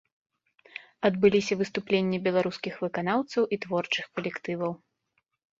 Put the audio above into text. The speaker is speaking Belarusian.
Адбыліся выступленні беларускіх выканаўцаў і творчых калектываў.